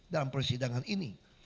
dalam persidangan ini